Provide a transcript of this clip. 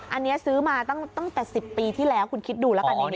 อันนี้ซื้อมาตั้งแต่๑๐ปีที่แล้วคุณคิดดูแล้วกัน